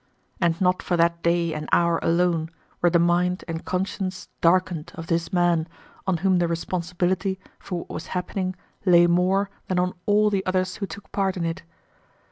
And not for that day and hour alone were the mind and conscience darkened of this man on whom the responsibility for what was happening lay more than on all the others who took part in it.